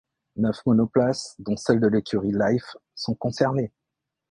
Neuf monoplaces, dont celle de l'écurie Life, sont concernées.